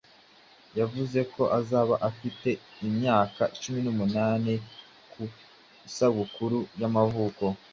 Yavuze ko azaba afite imyaka cumi n'umunani ku isabukuru y'amavuko.